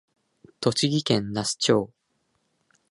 栃木県那須町